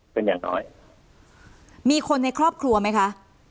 เป็นอย่างน้อยมีคนในครอบครัวไหมคะ